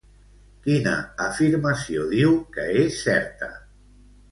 Quina afirmació diu que és certa?